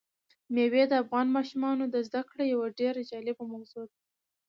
مېوې د افغان ماشومانو د زده کړې یوه ډېره جالبه موضوع ده.